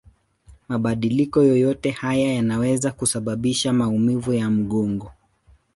Mabadiliko yoyote haya yanaweza kusababisha maumivu ya mgongo.